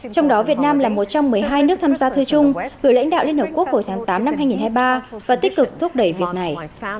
trong đó việt nam là một trong một mươi hai nước tham gia thư chung gửi lãnh đạo liên hợp quốc vào tháng tám năm hai nghìn hai mươi ba và tích cực thúc đẩy việc này